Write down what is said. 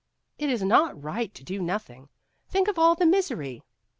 It is not right to do nothing. Think of all the misery